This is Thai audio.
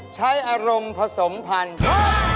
ใช้อารมณ์ผสมพันธุ์ครับ